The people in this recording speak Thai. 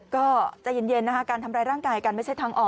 ก็ใจเย็นนะคะการทำร้ายร่างกายกันไม่ใช่ทางออก